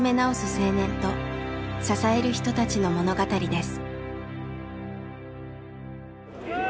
青年と支える人たちの物語です。